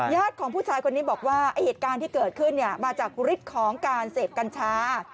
ของผู้ชายคนนี้บอกว่าไอ้เหตุการณ์ที่เกิดขึ้นมาจากฤทธิ์ของการเสพกัญชา